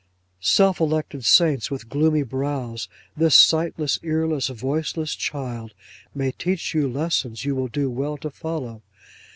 Self elected saints with gloomy brows, this sightless, earless, voiceless child may teach you lessons you will do well to follow.